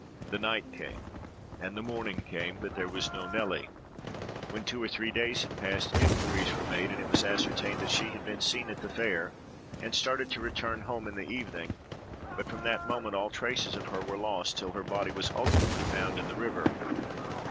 The night came, and the morning came, but there was no Nelly. When two or three days had passed, inquiries were made; and it was ascertained that she had been seen at the fair, and started to return home in the evening; but from that moment all traces of her were lost till her body was ultimately found in the river.